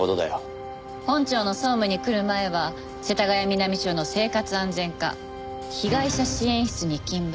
本庁の総務に来る前は世田谷南署の生活安全課被害者支援室に勤務。